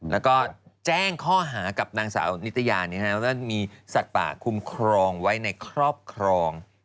แล้วก็แจ้งข้อหากับนางสาวนิตยาว่ามีสัตว์ป่าคุ้มครองไว้ในครอบครอง